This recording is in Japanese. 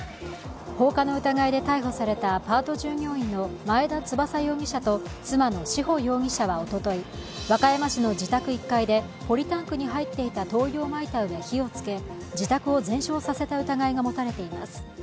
放火の疑いで逮捕されたパート従業員の前田翼容疑者と妻の志保容疑者はおととい、和歌山市の自宅１階でポリタンクに入っていた灯油をまいたうえ、火をつけ自宅を全焼させた疑いが持たれています。